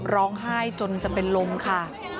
ร้องไห้จนจะเป็นลมค่ะ